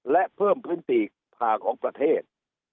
และเพิ่มพื้นที่ผ่าของประเทศ